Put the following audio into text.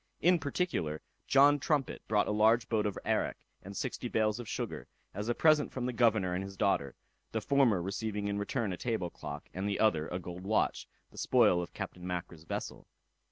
In particular, John Trumpet brought a large boat of arrack, and sixty bales of sugar, as a present from the governor and his daughter; the former receiving in return a table clock, and the other a gold watch, the spoil of Captain Mackra's vessel.